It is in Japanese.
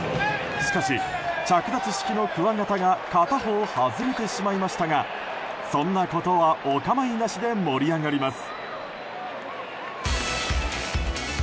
しかし、着脱式のくわ形が片方外れてしまいましたがそんなことはお構いなしで盛り上がります。